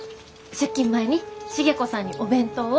出勤前に重子さんにお弁当を。